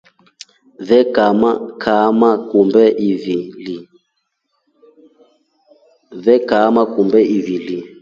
Vee kaama kumbe ivili.